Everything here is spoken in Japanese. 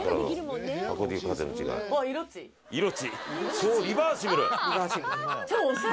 そうリバーシブル！